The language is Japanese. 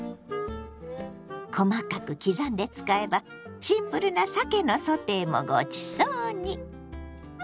細かく刻んで使えばシンプルなさけのソテーもごちそうに！